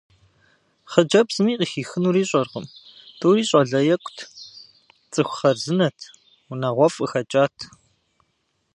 Хъыджэбзми къыхихынур ищӏэркъым: тӏури щӏалэ екӏут, цӏыху хъарзынэт, унагъуэфӏ къыхэкӏат.